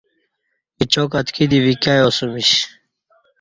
اچاک اتکی دی ویکیاسمیش